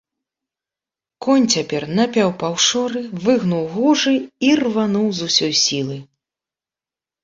Конь цяпер напяў паўшоры, выгнуў гужы і рвануў з усёй сілы.